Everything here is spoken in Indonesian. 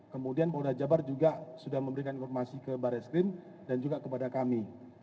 kemudian polri jabar juga sudah memberikan informasi ke barreskrim dan juga kepada kami